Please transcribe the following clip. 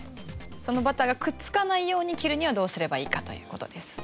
そのバターがくっつかないように切るにはどうすればいいかという事ですね。